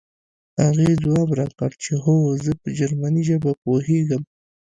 هغې ځواب راکړ چې هو زه په جرمني ژبه پوهېږم